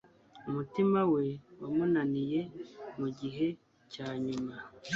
Umutima we wamunaniye mugihe cyanyuma.